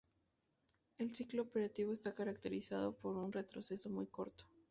El ciclo operativo está caracterizado por un retroceso muy corto.